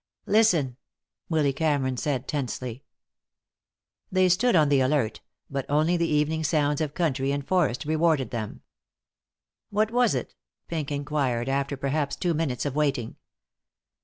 "Listen!" Willy Cameron said, tensely. They stood on the alert, but only the evening sounds of country and forest rewarded them. "What was it?" Pink inquired, after perhaps two minutes of waiting.